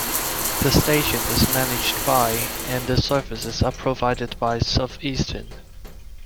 The station is managed by and the services are provided by Southeastern.